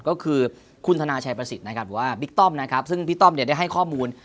ก็คือคุณธนาชายประสิทธิ์ว่าบิ๊กต้อมซึ่งพี่ต้อมได้ให้ข้อมูล